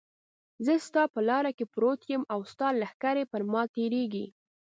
زه ستا په لاره کې پروت یم او ستا لښکرې پر ما تېرېږي.